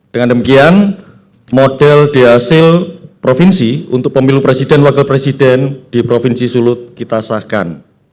dengan demikian model di hasil provinsi untuk pemilu presiden wakil presiden di provinsi sulut kita sahkan